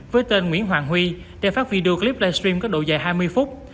với tên nguyễn hoàng huy để phát video clip livestream có độ dài hai mươi phút